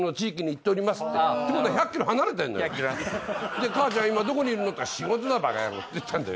で母ちゃん「今どこにいるの？」って「仕事だバカヤロー」って言ったんだよ